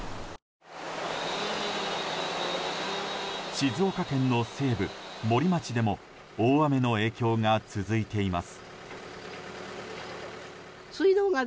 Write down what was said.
静岡県の西部、森町でも大雨の影響が続いています。